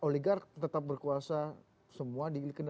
biar tetap berkuasa semua